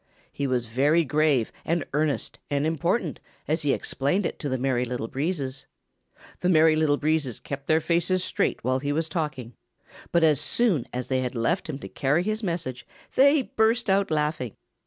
He was very grave and earnest and important as he explained it to the Merry Little Breezes. The Merry Little Breezes kept their faces straight while he was talking, but as soon, as they had left him to carry his message they burst out laughing.